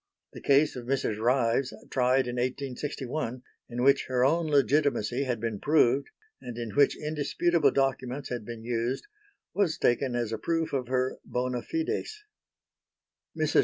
The case of Mrs. Ryves, tried in 1861, in which her own legitimacy had been proved and in which indisputable documents had been used, was taken as a proof of her bona fides. Mrs.